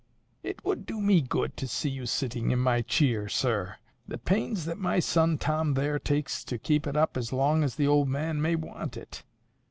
"It would do me good to see you sitting in my cheer, sir. The pains that my son Tom there takes to keep it up as long as the old man may want it!